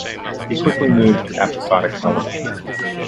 He quickly moved to episodic television.